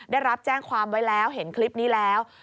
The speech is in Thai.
ได้รับแจ้งความไว้แล้วเห็นคลิปนี้แล้ว